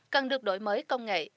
cần được đổi mới công nghệ